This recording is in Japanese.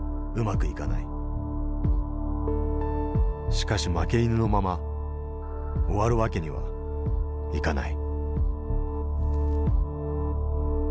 しかし負け犬のまま終わる訳にはいかない。